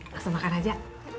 langsung makan aja